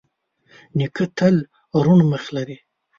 نیکه تل روڼ مخ لري.